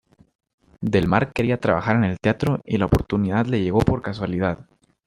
Del Mar quería trabajar en el teatro y la oportunidad le llegó por casualidad.